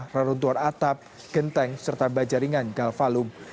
reruntuhan atap genteng serta bajaringan galvalum